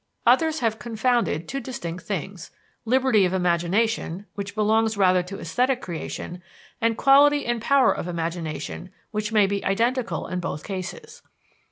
Others have confounded two distinct things liberty of imagination, which belongs rather to esthetic creation, and quality and power of imagination, which may be identical in both cases.